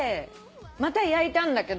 また焼いたんだけど。